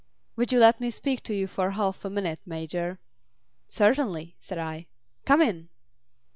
"Would you let me speak to you for half a minute, Major?" "Certainly," said I. "Come in."